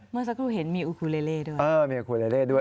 เมื่อสักครู่เห็นมีอูคูเลเลด้วยเออมีอูคูเลเล่ด้วย